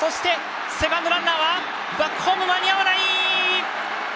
セカンドランナーはバックホーム間に合わない！